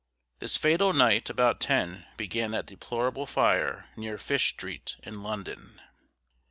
This fatal night about ten began that deplorable fire near Fish Street, in London.